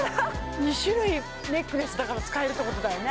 ２種類ネックレスだから使えるってことだよね